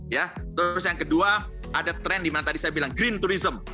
ya terus yang kedua ada tren di mana tadi saya bilang green tourism